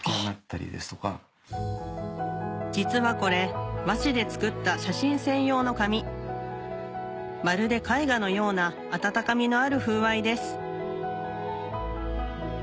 実はこれ和紙で作った写真専用の紙まるで絵画のような温かみのある風合いです